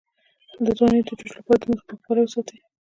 د ځوانۍ د جوش لپاره د مخ پاکوالی وساتئ